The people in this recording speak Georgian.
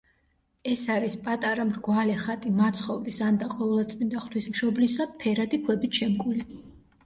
ეს არის პატარა მრგვალი ხატი მაცხოვრის ანდა ყოვლადწმიდა ღვთისმშობლისა, ფერადი ქვებით შემკული.